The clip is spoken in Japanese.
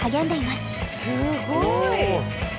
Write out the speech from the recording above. すっごい。